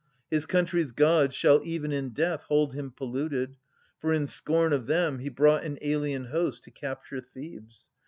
His country's Gods shall even in death Hold him polluted, for in scorn of them He brought an alien host to capture Thebes.